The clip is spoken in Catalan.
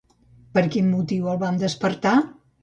Per quin motiu el van despertar?